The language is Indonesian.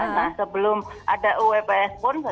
nah sebelum diumumkan